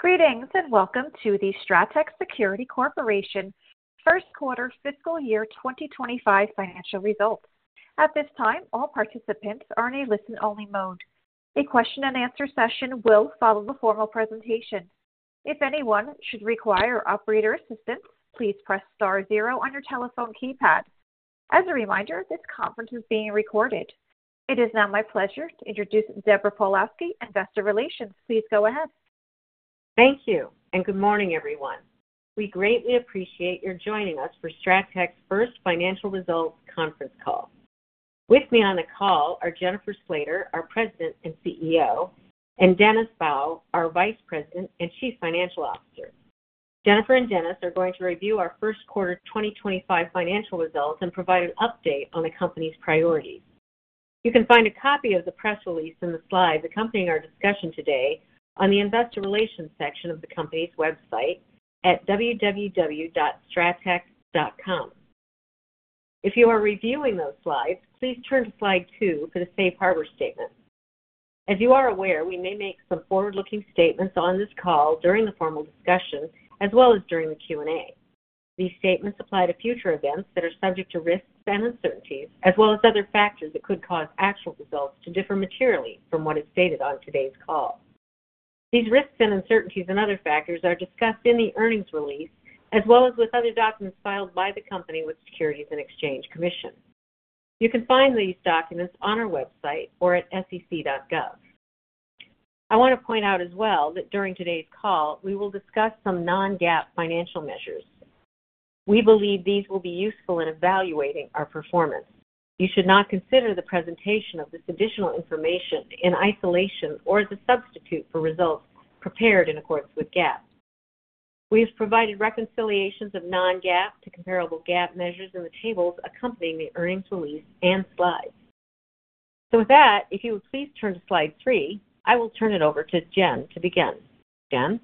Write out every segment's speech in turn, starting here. Greetings and welcome to the Strattec Security Corporation first quarter fiscal year 2025 financial results. At this time, all participants are in a listen-only mode. A question-and-answer session will follow the formal presentation. If anyone should require operator assistance, please press star zero on your telephone keypad. As a reminder, this conference is being recorded. It is now my pleasure to introduce Deborah Pawlowski, Investor Relations. Please go ahead. Thank you and good morning, everyone. We greatly appreciate your joining us for Strattec's first financial results conference call. With me on the call are Jennifer Slater, our President and CEO, and Dennis Bowe, our Vice President and Chief Financial Officer. Jennifer and Dennis are going to review our first quarter 2025 financial results and provide an update on the company's priorities. You can find a copy of the press release and the slides accompanying our discussion today on the Investor Relations section of the company's website at www.strattec.com. If you are reviewing those slides, please turn to slide two for the safe harbor statement. As you are aware, we may make some forward-looking statements on this call during the formal discussion as well as during the Q&A. These statements apply to future events that are subject to risks and uncertainties, as well as other factors that could cause actual results to differ materially from what is stated on today's call. These risks and uncertainties and other factors are discussed in the earnings release as well as with other documents filed by the company with the Securities and Exchange Commission. You can find these documents on our website or at SEC.gov. I want to point out as well that during today's call, we will discuss some non-GAAP financial measures. We believe these will be useful in evaluating our performance. You should not consider the presentation of this additional information in isolation or as a substitute for results prepared in accordance with GAAP. We have provided reconciliations of non-GAAP to comparable GAAP measures in the tables accompanying the earnings release and slides. So with that, if you would please turn to slide three, I will turn it over to Jen to begin. Jen?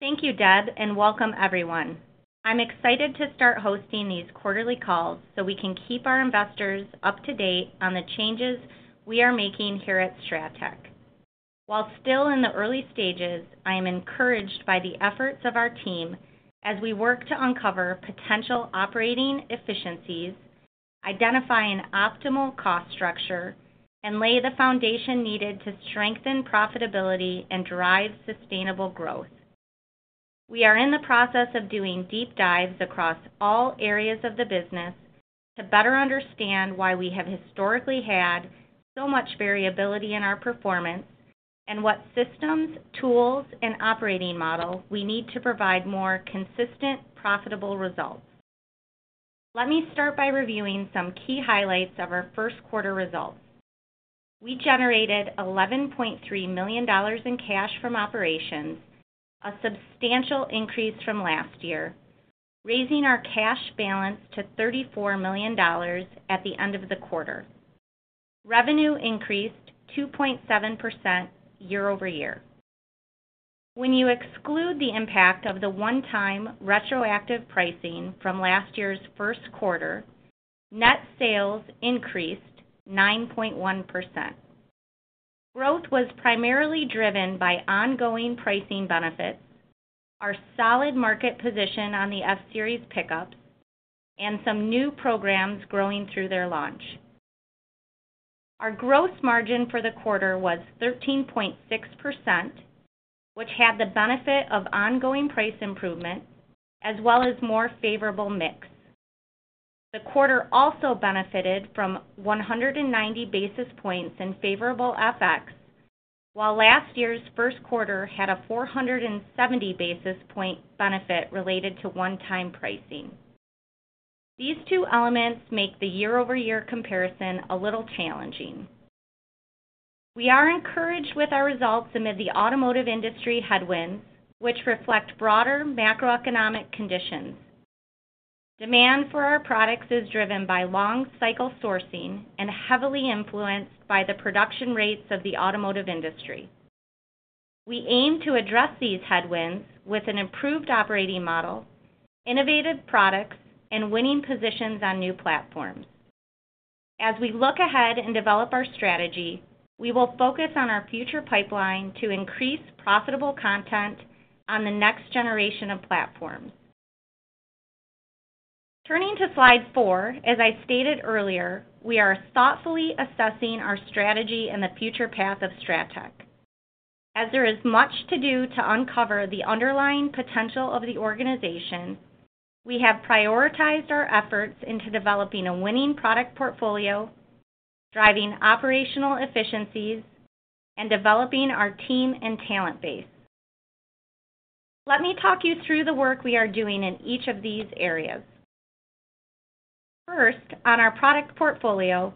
Thank you, Deb, and welcome everyone. I'm excited to start hosting these quarterly calls so we can keep our investors up to date on the changes we are making here at Strattec. While still in the early stages, I am encouraged by the efforts of our team as we work to uncover potential operating efficiencies, identify an optimal cost structure, and lay the foundation needed to strengthen profitability and drive sustainable growth. We are in the process of doing deep dives across all areas of the business to better understand why we have historically had so much variability in our performance and what systems, tools, and operating model we need to provide more consistent, profitable results. Let me start by reviewing some key highlights of our first quarter results. We generated $11.3 million in cash from operations, a substantial increase from last year, raising our cash balance to $34 million at the end of the quarter. Revenue increased 2.7% year over year. When you exclude the impact of the one-time retroactive pricing from last year's first quarter, net sales increased 9.1%. Growth was primarily driven by ongoing pricing benefits, our solid market position on the F-Series pickups, and some new programs growing through their launch. Our gross margin for the quarter was 13.6%, which had the benefit of ongoing price improvement as well as more favorable mix. The quarter also benefited from 190 basis points in favorable FX, while last year's first quarter had a 470 basis point benefit related to one-time pricing. These two elements make the year-over-year comparison a little challenging. We are encouraged with our results amid the automotive industry headwinds, which reflect broader macroeconomic conditions. Demand for our products is driven by long-cycle sourcing and heavily influenced by the production rates of the automotive industry. We aim to address these headwinds with an improved operating model, innovative products, and winning positions on new platforms. As we look ahead and develop our strategy, we will focus on our future pipeline to increase profitable content on the next generation of platforms. Turning to slide four, as I stated earlier, we are thoughtfully assessing our strategy and the future path of Strattec. As there is much to do to uncover the underlying potential of the organization, we have prioritized our efforts into developing a winning product portfolio, driving operational efficiencies, and developing our team and talent base. Let me talk you through the work we are doing in each of these areas. First, on our product portfolio,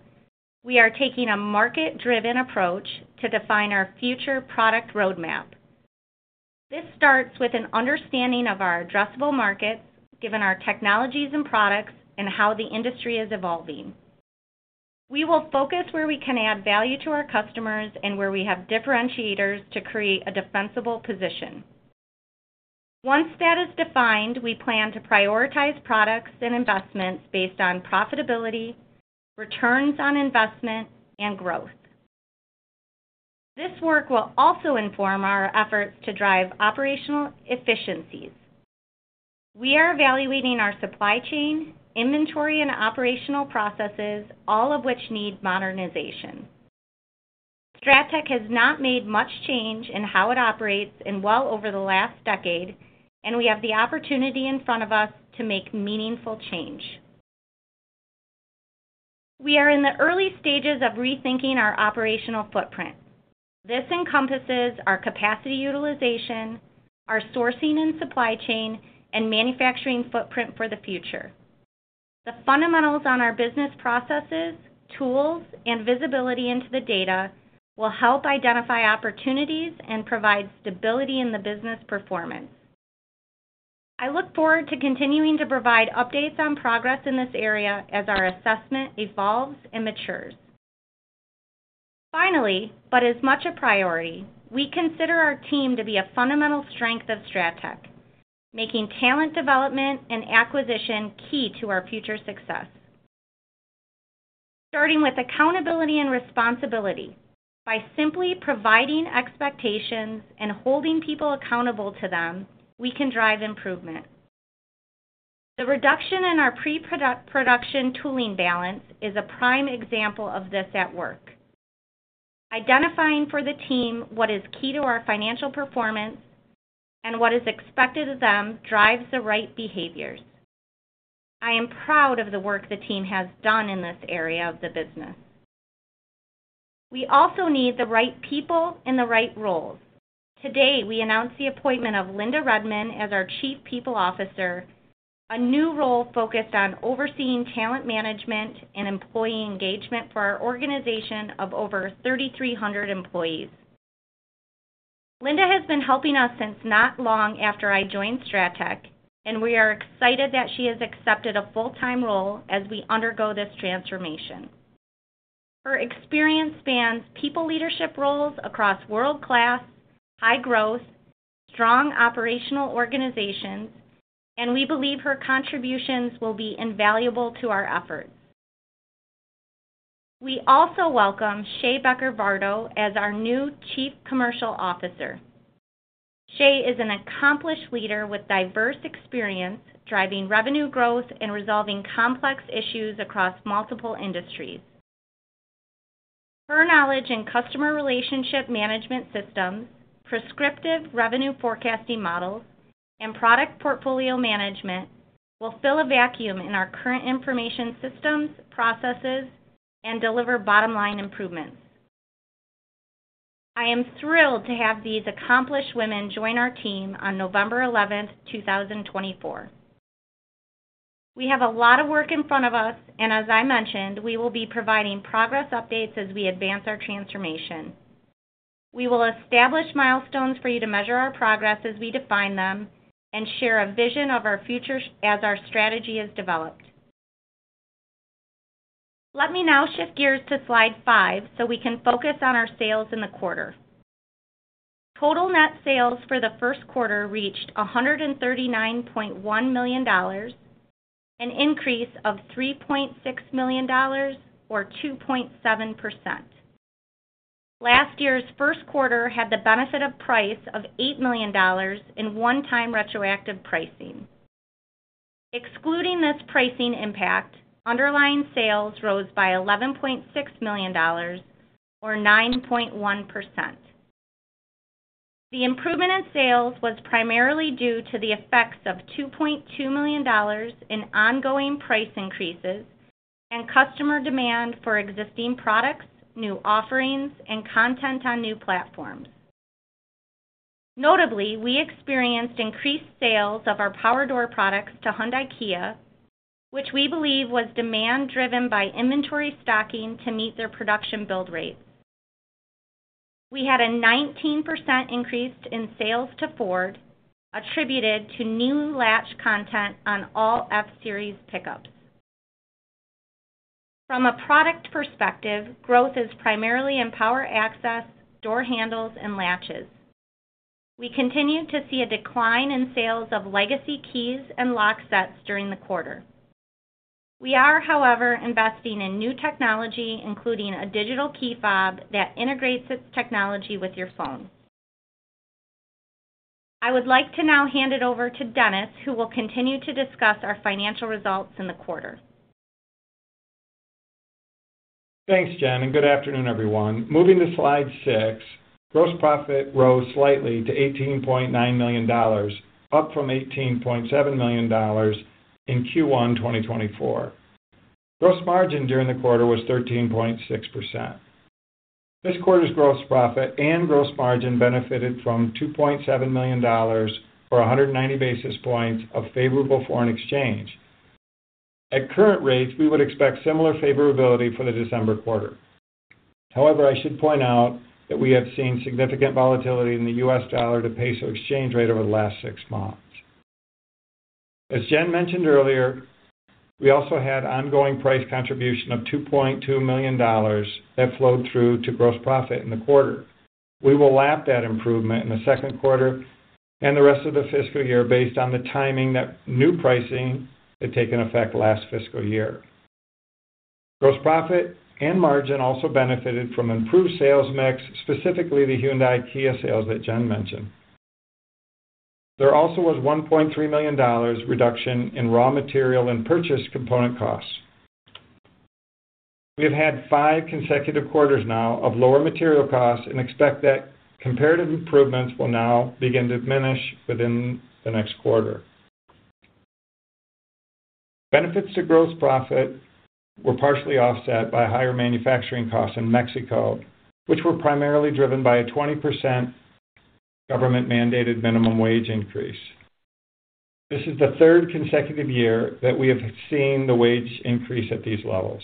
we are taking a market-driven approach to define our future product roadmap. This starts with an understanding of our addressable markets, given our technologies and products, and how the industry is evolving. We will focus where we can add value to our customers and where we have differentiators to create a defensible position. Once that is defined, we plan to prioritize products and investments based on profitability, returns on investment, and growth. This work will also inform our efforts to drive operational efficiencies. We are evaluating our supply chain, inventory, and operational processes, all of which need modernization. Strattec has not made much change in how it operates in well over the last decade, and we have the opportunity in front of us to make meaningful change. We are in the early stages of rethinking our operational footprint. This encompasses our capacity utilization, our sourcing and supply chain, and manufacturing footprint for the future. The fundamentals on our business processes, tools, and visibility into the data will help identify opportunities and provide stability in the business performance. I look forward to continuing to provide updates on progress in this area as our assessment evolves and matures. Finally, but as much a priority, we consider our team to be a fundamental strength of Strattec, making talent development and acquisition key to our future success. Starting with accountability and responsibility. By simply providing expectations and holding people accountable to them, we can drive improvement. The reduction in our pre-production tooling balance is a prime example of this at work. Identifying for the team what is key to our financial performance and what is expected of them drives the right behaviors. I am proud of the work the team has done in this area of the business. We also need the right people in the right roles. Today, we announced the appointment of Linda Redmann as our Chief People Officer, a new role focused on overseeing talent management and employee engagement for our organization of over 3,300 employees. Linda has been helping us since not long after I joined Strattec, and we are excited that she has accepted a full-time role as we undergo this transformation. Her experience spans people leadership roles across world-class, high-growth, strong operational organizations, and we believe her contributions will be invaluable to our efforts. We also welcome Chey Becker-Vardo as our new Chief Commercial Officer. Shay is an accomplished leader with diverse experience driving revenue growth and resolving complex issues across multiple industries. Her knowledge in customer relationship management systems, prescriptive revenue forecasting models, and product portfolio management will fill a vacuum in our current information systems, processes, and deliver bottom-line improvements. I am thrilled to have these accomplished women join our team on November 11th, 2024. We have a lot of work in front of us, and as I mentioned, we will be providing progress updates as we advance our transformation. We will establish milestones for you to measure our progress as we define them and share a vision of our future as our strategy is developed. Let me now shift gears to slide five so we can focus on our sales in the quarter. Total net sales for the first quarter reached $139.1 million, an increase of $3.6 million or 2.7%. Last year's first quarter had the benefit of price of $8 million in one-time retroactive pricing. Excluding this pricing impact, underlying sales rose by $11.6 million or 9.1%. The improvement in sales was primarily due to the effects of $2.2 million in ongoing price increases and customer demand for existing products, new offerings, and content on new platforms. Notably, we experienced increased sales of our power door products to Hyundai-Kia, which we believe was demand-driven by inventory stocking to meet their production build rates. We had a 19% increase in sales to Ford attributed to new latch content on all F-Series pickups. From a product perspective, growth is primarily in power access, door handles, and latches. We continue to see a decline in sales of legacy keys and locksets during the quarter. We are, however, investing in new technology, including a digital key fob that integrates its technology with your phone. I would like to now hand it over to Dennis, who will continue to discuss our financial results in the quarter. Thanks, Jen, and good afternoon, everyone. Moving to slide six, gross profit rose slightly to $18.9 million, up from $18.7 million in Q1 2024. Gross margin during the quarter was 13.6%. This quarter's gross profit and gross margin benefited from $2.7 million or 190 basis points of favorable foreign exchange. At current rates, we would expect similar favorability for the December quarter. However, I should point out that we have seen significant volatility in the US dollar to peso exchange rate over the last six months. As Jen mentioned earlier, we also had ongoing price contribution of $2.2 million that flowed through to gross profit in the quarter. We will lap that improvement in the second quarter and the rest of the fiscal year based on the timing that new pricing had taken effect last fiscal year. Gross profit and margin also benefited from improved sales mix, specifically the Hyundai-Kia sales that Jen mentioned. There also was a $1.3 million reduction in raw material and purchase component costs. We have had five consecutive quarters now of lower material costs and expect that comparative improvements will now begin to diminish within the next quarter. Benefits to gross profit were partially offset by higher manufacturing costs in Mexico, which were primarily driven by a 20% government-mandated minimum wage increase. This is the third consecutive year that we have seen the wage increase at these levels.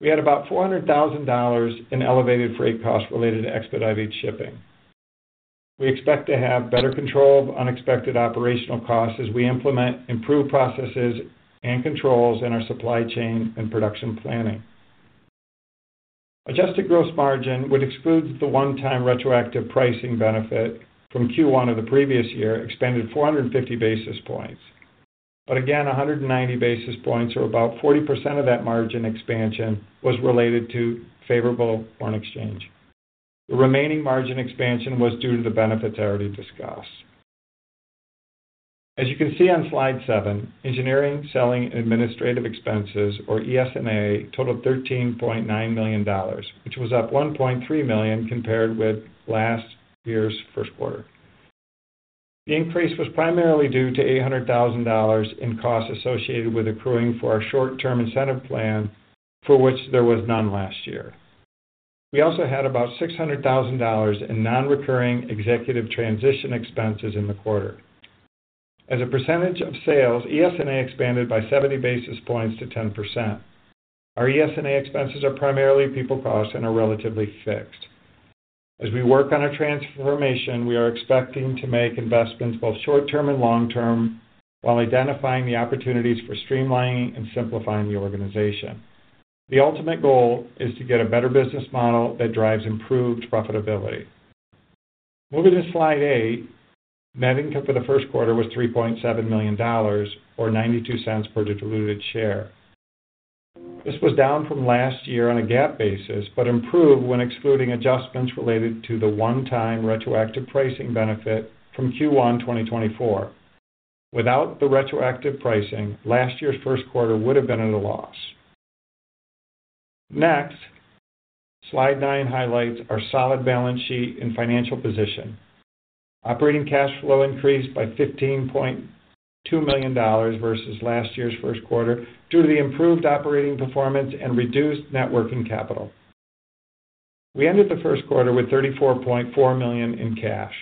We had about $400,000 in elevated freight costs related to expedited shipping. We expect to have better control of unexpected operational costs as we implement improved processes and controls in our supply chain and production planning. Adjusted gross margin, which excludes the one-time retroactive pricing benefit from Q1 of the previous year, expanded 450 basis points. But again, 190 basis points, or about 40% of that margin expansion, was related to favorable foreign exchange. The remaining margin expansion was due to the benefits I already discussed. As you can see on slide seven, engineering, selling, and administrative expenses, or ES&A, totaled $13.9 million, which was up $1.3 million compared with last year's first quarter. The increase was primarily due to $800,000 in costs associated with accruing for our short-term incentive plan, for which there was none last year. We also had about $600,000 in non-recurring executive transition expenses in the quarter. As a percentage of sales, ES&A expanded by 70 basis points to 10%. Our ES&A expenses are primarily people costs and are relatively fixed. As we work on our transformation, we are expecting to make investments both short-term and long-term while identifying the opportunities for streamlining and simplifying the organization. The ultimate goal is to get a better business model that drives improved profitability. Moving to slide eight, net income for the first quarter was $3.7 million, or $0.92 per diluted share. This was down from last year on a GAAP basis but improved when excluding adjustments related to the one-time retroactive pricing benefit from Q1 2024. Without the retroactive pricing, last year's first quarter would have been at a loss. Next, slide nine highlights our solid balance sheet and financial position. Operating cash flow increased by $15.2 million versus last year's first quarter due to the improved operating performance and reduced net working capital. We ended the first quarter with $34.4 million in cash.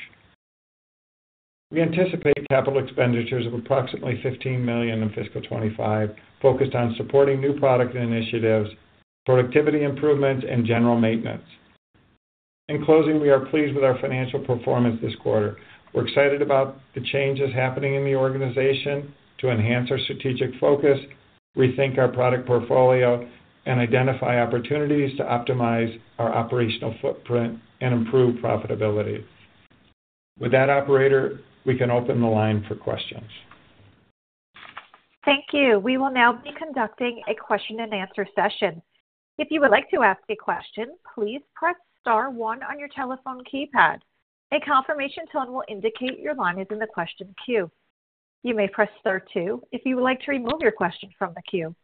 We anticipate capital expenditures of approximately $15 million in fiscal 25, focused on supporting new product initiatives, productivity improvements, and general maintenance. In closing, we are pleased with our financial performance this quarter. We're excited about the changes happening in the organization to enhance our strategic focus, rethink our product portfolio, and identify opportunities to optimize our operational footprint and improve profitability. With that, Operator, we can open the line for questions. Thank you. We will now be conducting a question-and-answer session. If you would like to ask a question, please press star one on your telephone keypad. A confirmation tone will indicate your line is in the question queue. You may press star two if you would like to remove your question from the queue.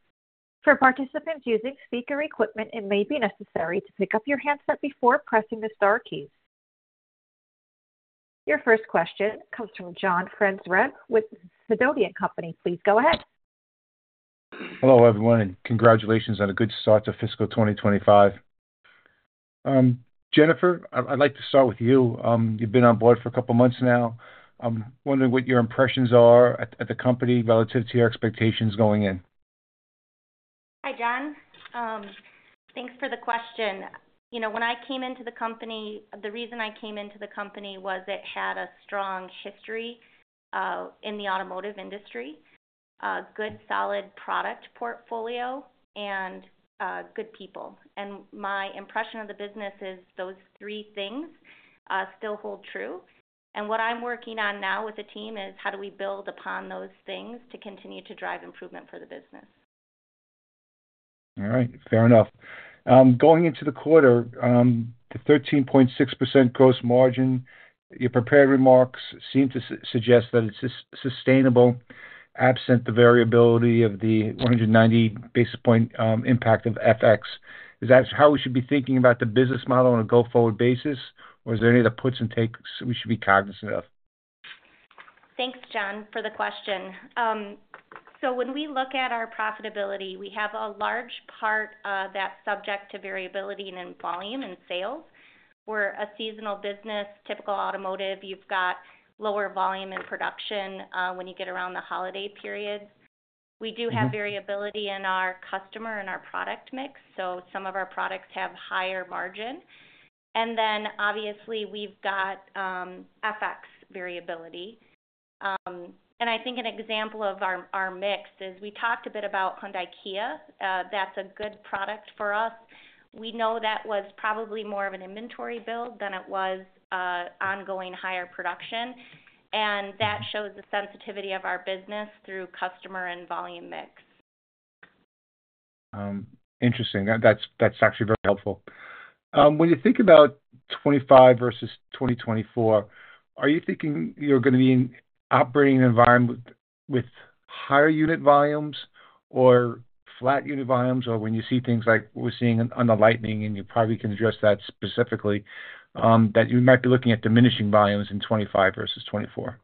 For participants using speaker equipment, it may be necessary to pick up your handset before pressing the star keys. Your first question comes from John Franzreb with Sidoti & Company. Please go ahead. Hello, everyone, and congratulations on a good start to fiscal 2025. Jennifer, I'd like to start with you. You've been on board for a couple of months now. I'm wondering what your impressions are at the company relative to your expectations going in? Hi, John. Thanks for the question. When I came into the company, the reason I came into the company was it had a strong history in the automotive industry, a good solid product portfolio, and good people. And my impression of the business is those three things still hold true. And what I'm working on now with the team is how do we build upon those things to continue to drive improvement for the business. All right. Fair enough. Going into the quarter, the 13.6% gross margin, your prepared remarks seem to suggest that it's sustainable, absent the variability of the 190 basis point impact of FX. Is that how we should be thinking about the business model on a go-forward basis, or is there any other puts and takes we should be cognizant of? Thanks, John, for the question. So when we look at our profitability, we have a large part of that subject to variability in volume and sales. We're a seasonal business, typical automotive. You've got lower volume and production when you get around the holiday periods. We do have variability in our customer and our product mix, so some of our products have higher margin. And then, obviously, we've got FX variability. And I think an example of our mix is we talked a bit about Hyundai-Kia. That's a good product for us. We know that was probably more of an inventory build than it was ongoing higher production. And that shows the sensitivity of our business through customer and volume mix. Interesting. That's actually very helpful. When you think about 2025 versus 2024, are you thinking you're going to be in an operating environment with higher unit volumes or flat unit volumes, or when you see things like we're seeing on the Lightning, and you probably can address that specifically, that you might be looking at diminishing volumes in 2025 versus 2024?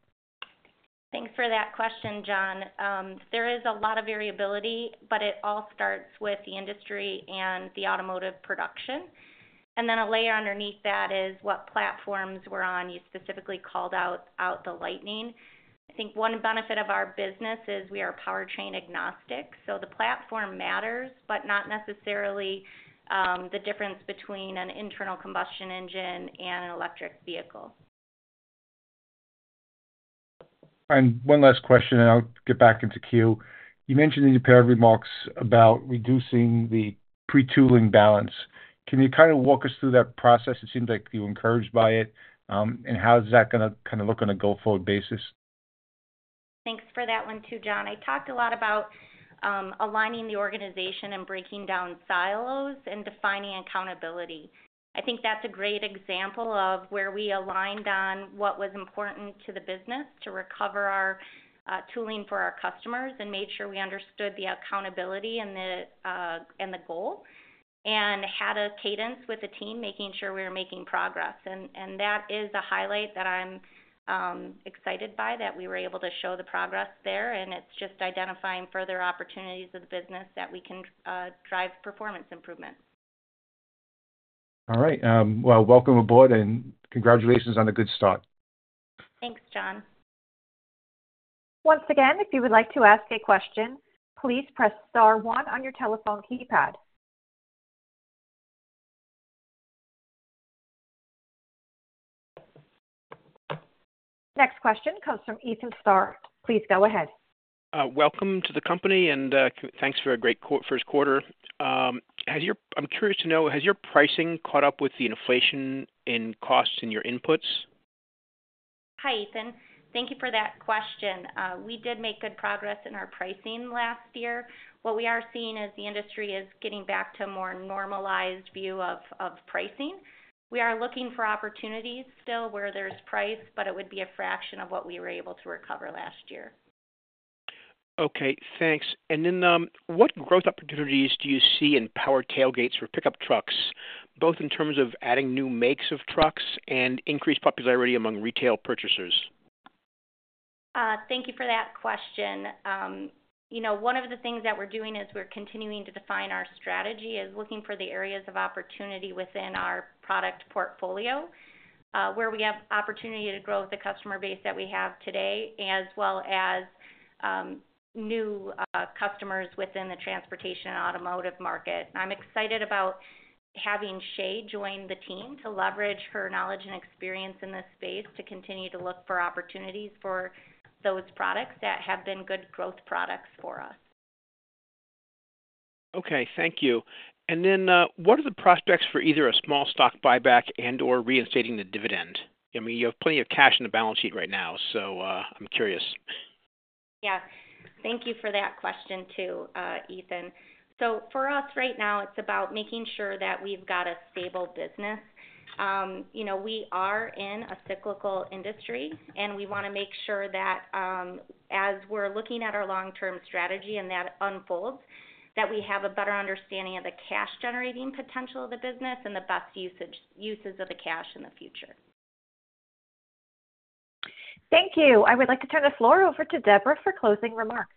Thanks for that question, John. There is a lot of variability, but it all starts with the industry and the automotive production. And then a layer underneath that is what platforms we're on. You specifically called out the Lightning. I think one benefit of our business is we are powertrain agnostic. So the platform matters, but not necessarily the difference between an internal combustion engine and an electric vehicle. One last question, and I'll get back into queue. You mentioned in your prepared remarks about reducing the pre-production tooling balance. Can you kind of walk us through that process? It seems like you're encouraged by it. And how is that going to kind of look on a go-forward basis? Thanks for that one too, John. I talked a lot about aligning the organization and breaking down silos and defining accountability. I think that's a great example of where we aligned on what was important to the business to recover our tooling for our customers and made sure we understood the accountability and the goal and had a cadence with the team, making sure we were making progress. And that is a highlight that I'm excited by, that we were able to show the progress there. And it's just identifying further opportunities of the business that we can drive performance improvement. All right, well, welcome aboard, and congratulations on a good start. Thanks, John. Once again, if you would like to ask a question, please press star one on your telephone keypad. Next question comes from Ethan Starr. Please go ahead. Welcome to the company, and thanks for a great first quarter. I'm curious to know, has your pricing caught up with the inflation in costs in your inputs? Hi, Ethan. Thank you for that question. We did make good progress in our pricing last year. What we are seeing is the industry is getting back to a more normalized view of pricing. We are looking for opportunities still where there's price, but it would be a fraction of what we were able to recover last year. Okay. Thanks, and then what growth opportunities do you see in power tailgates for pickup trucks, both in terms of adding new makes of trucks and increased popularity among retail purchasers? Thank you for that question. One of the things that we're doing is we're continuing to define our strategy as looking for the areas of opportunity within our product portfolio where we have opportunity to grow with the customer base that we have today, as well as new customers within the transportation and automotive market. I'm excited about having Shay join the team to leverage her knowledge and experience in this space to continue to look for opportunities for those products that have been good growth products for us. Okay. Thank you, and then what are the prospects for either a small stock buyback and/or reinstating the dividend? I mean, you have plenty of cash in the balance sheet right now, so I'm curious. Yeah. Thank you for that question too, Ethan. So for us right now, it's about making sure that we've got a stable business. We are in a cyclical industry, and we want to make sure that as we're looking at our long-term strategy and that unfolds, that we have a better understanding of the cash-generating potential of the business and the best uses of the cash in the future. Thank you. I would like to turn the floor over to Deborah for closing remarks.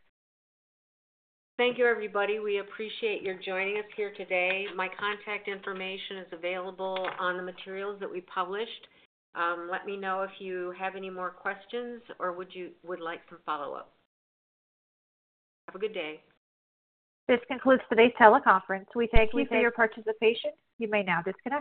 Thank you, everybody. We appreciate your joining us here today. My contact information is available on the materials that we published. Let me know if you have any more questions or would like some follow-up. Have a good day. This concludes today's teleconference. We thank you for your participation. You may now disconnect.